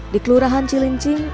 di kelurahan cilincing